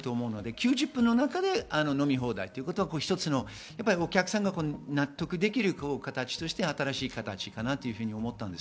９０分の中での飲み放題ということは１つのお客さんが納得できる形として新しい形だと思います。